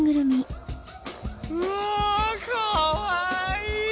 うわかわいい！